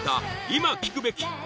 今聴くべき！